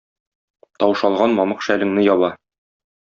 таушалган мамык шәлеңне яба...